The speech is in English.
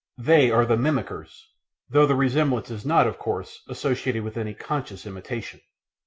They are the "mimickers," though the resemblance is not, of course, associated with any conscious imitation.